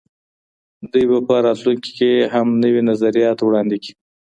دوی به په راتلونکي کي هم نوي نظریات وړاندې کړي.